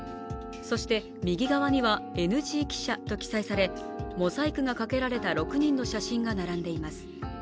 そして右側にはＮＧ記者と記載され、モザイクがかけられた６人の写真が並んでいます。